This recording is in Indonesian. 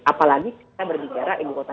apalagi kita berbicara ibu kota